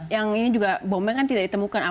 yang ini juga bomnya kan tidak ditemukan